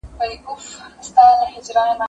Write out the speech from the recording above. که وخت وي کار کوم